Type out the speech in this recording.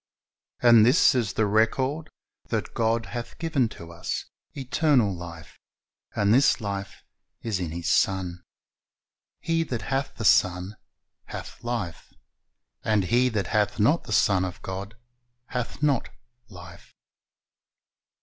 "And this is the record, that God hath given to us eternal life, and this life is in His Son. He that hath the Son hath life; and he that hath not the Son of God hath not life."